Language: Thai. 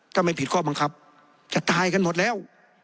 ถ้าไม่ผิดข้อบังคับจะตายกันหมดแล้ว